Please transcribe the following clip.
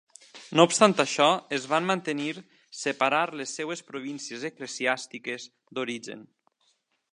No obstant això, es van mantenir separar les seves províncies eclesiàstiques d'origen.